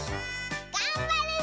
がんばるぞ！